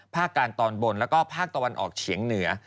ภาคกาลตอนบนและภาคตะวันออกเฉียงเหนือ